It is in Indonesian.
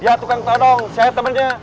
dia tukang todong saya temennya